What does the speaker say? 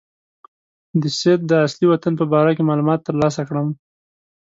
د سید د اصلي وطن په باره کې معلومات ترلاسه کړم.